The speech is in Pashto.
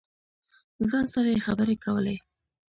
ځان سره یې خبرې کولې.